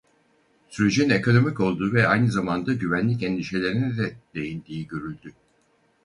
Sürecin ekonomik olduğu ve aynı zamanda güvenlik endişelerine de değindiği görüldü.